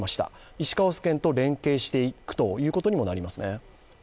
石川県と連携していくということにもなりますね。